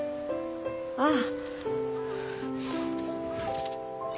ああ。